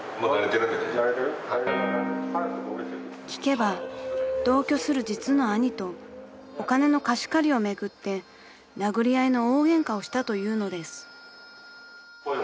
［聞けば同居する実の兄とお金の貸し借りを巡って殴り合いの大ゲンカをしたというのです］